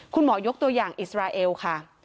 คุณหมอยกตัวอย่างอิสราเอลค่ะ